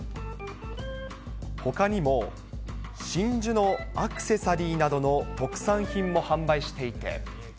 ほかにも、真珠のアクセサリーなどの特産品も販売していて。